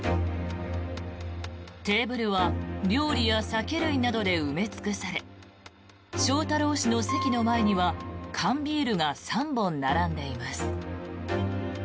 テーブルは料理や酒類などで埋め尽くされ翔太郎氏の席の前には缶ビールが３本並んでいます。